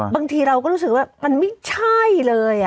บางทีเราก็รู้สึกว่ามันไม่ใช่เลย